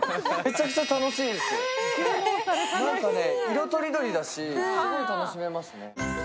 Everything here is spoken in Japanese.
色とりどりだし、すごい楽しめますね。